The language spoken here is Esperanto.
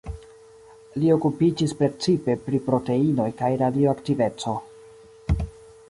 Li okupiĝis precipe pri proteinoj kaj radioaktiveco.